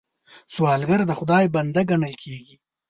سوالګر د خدای بنده ګڼل کېږي